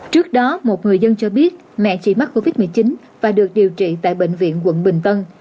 trước đó một người dân cho biết mẹ chỉ mắc covid một mươi chín và được điều trị tại bệnh viện quận bình tân